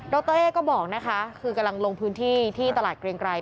รเอ๊ก็บอกนะคะคือกำลังลงพื้นที่ที่ตลาดเกรงไกร